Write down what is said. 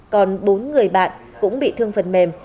còn bốn người bạn cũng bị thương phần mềm